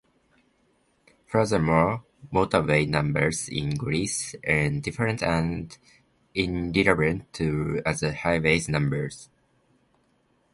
Furthermore, motorway numbers in Greece are different and irrelevant to other highways' numbers.